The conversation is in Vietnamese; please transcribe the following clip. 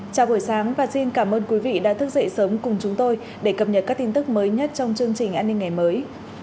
chào buổi sáng và xin cảm ơn quý vị đã thức dậy sớm cùng chúng tôi để cập nhật các tin tức mới nhất trong chương trình an ninh ngày mới